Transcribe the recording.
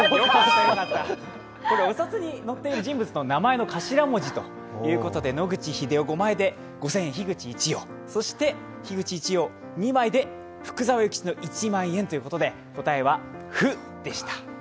お札に載っている人物の頭文字ということで野口英世５枚で５０００円、樋口一葉、そして樋口一葉２枚で福沢諭吉の一万円ということで答えは「ふ」でした。